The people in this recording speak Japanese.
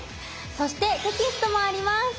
そしてテキストもあります。